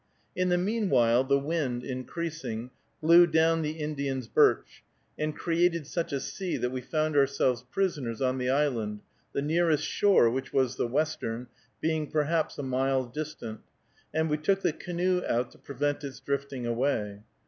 In the meanwhile, the wind, increasing, blew down the Indian's birch, and created such a sea that we found ourselves prisoners on the island, the nearest shore, which was the western, being perhaps a mile distant, and we took the canoe out to prevent its drifting away.